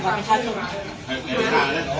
เปิดงาน